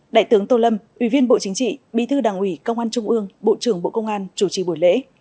đại tướng tô lâm ủy viên bộ chính trị bí thư đảng ủy công an trung ương bộ trưởng bộ công an chủ trì buổi lễ